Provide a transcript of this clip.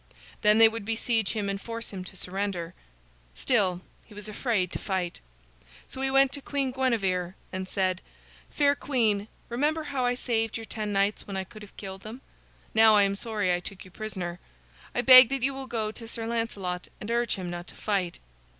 Then they would besiege him and force him to surrender. Still he was afraid to fight. So he went to Queen Guinevere and said: "Fair queen, remember how I saved your ten knights when I could have killed them. Now I am sorry I took you prisoner. I beg that you will go to Sir Lancelot and urge him not to fight.